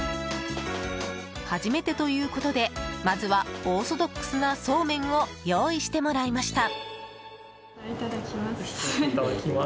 初めてということで、まずはオーソドックスなそうめんを用意してもらいました。